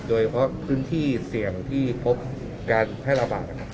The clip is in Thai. โดยเพราะพื้นที่เสี่ยงที่พบการให้ระบาดนะครับ